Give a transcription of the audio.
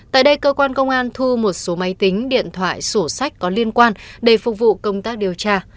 tại đây cơ quan công an thu một số máy tính điện thoại sổ sách có liên quan để phục vụ công tác điều tra